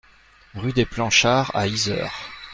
Rue des Planchards à Yzeure